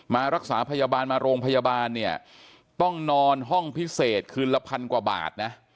มารักษาพยาบาลมาโรงพยาบาลเนี่ยต้องนอนห้องพิเศษคืนละพันกว่าบาทนะ